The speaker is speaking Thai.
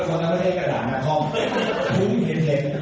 ก็ไม่เห็นกับนักคอมต่อไปทีนึง